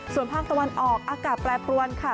ส่วนภาคตะวันออกอากาศแปรปรวนค่ะ